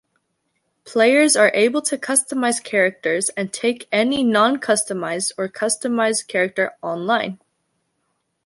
Players are able to customize characters and take any non-customized or customized character online.